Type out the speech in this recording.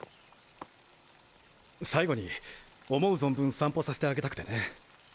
最後に思う存分散歩させてあげたくてね。